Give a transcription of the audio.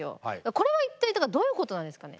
これは一体どういうことなんですかね？